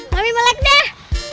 mami melek deh